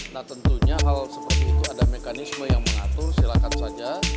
nah tentunya hal seperti itu ada mekanisme yang mengatur silakan saja